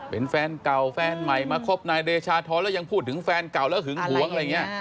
เป็นแฟนเก่าแฟนใหม่มาคบนายเดชาธรแล้วยังพูดถึงแฟนเก่าแล้วหึงหวงอะไรอย่างนี้